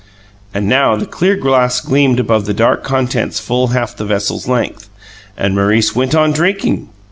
And now the clear glass gleamed above the dark contents full half the vessel's length and Maurice went on drinking!